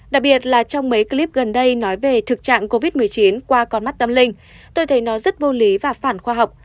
đặc biệt là trong mấy clip gần đây nói về thực trạng covid một mươi chín qua con mắt tâm linh tôi thấy nó rất vô lý và phản khoa học